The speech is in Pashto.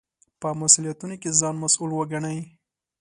په مسوولیتونو کې ځان مسوول وګڼئ.